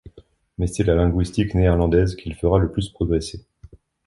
Mais c'est la linguistique néerlandaise qu'il fera le plus progresser.